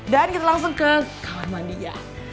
dan kita langsung ke kamar mandinya